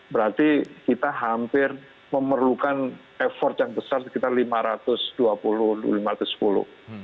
berarti kita hampir memerlukan effort yang besar sekitar lima ratus dua puluh an